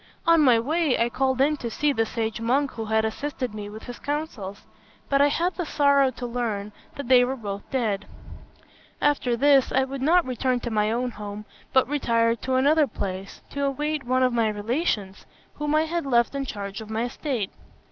On my way, I called in to see the sage monk who had assisted me with his counsels; but I had the sorrow to learn that they were both dead. After this, I would not return to my own home, but retired to another place, to await one of my relations whom I had left in charge of my estate.